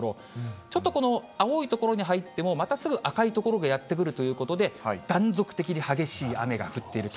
ちょっとこの青い所に入っても、またすぐ赤い所がやって来るということで、断続的に激しい雨が降っていると。